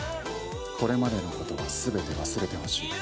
これまでのことは全て忘れてほしい。